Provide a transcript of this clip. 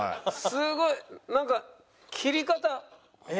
すごいなんか切り方。